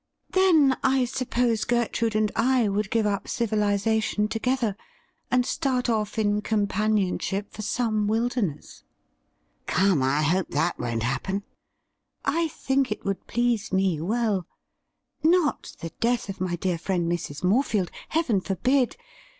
' Then I suppose Gertrude and I Avould give up civiliza tion together, and start off in companionship for some wilderness.' ' Come, I hope that won't happen.' ' I think it would please me well. Not the death of my dear friend Mrs. Morefield — Heaven forbid